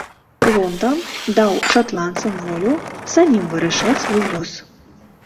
Лондан даў шатландцам волю самім вырашаць свой лёс.